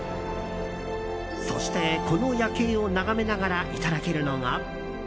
そして、この夜景を眺めながらいただけるのが。